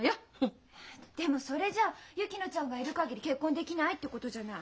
でもそれじゃ薫乃ちゃんがいる限り結婚できないってことじゃない。